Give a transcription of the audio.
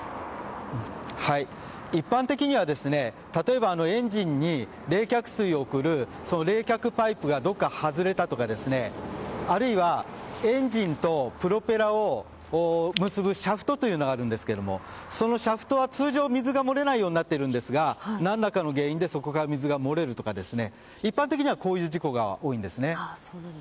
一般的には、例えばエンジンに冷却水を送る冷却パイプがどこは外れたとかあるいは、エンジンとプロペラを結ぶシャフトというのがあるんですがそのシャフトは通常水が漏れないようになっていますが何らかの原因でそこで水が漏れるとか、一般的にこういう事故が多いんですね。